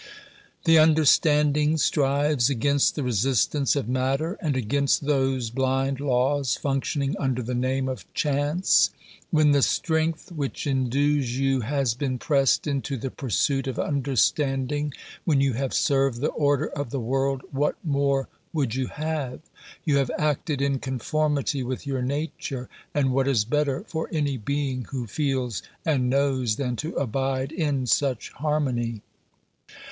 The understanding strives against the resistance of matter, and against those blind laws functioning under the name of chance. When the strength which indues you has been pressed into the pursuit of understanding, when you have served the order of the world, what more would you have ? You have acted in conformity with your nature, and what is better for any being who feels and knows than to abide in such harmony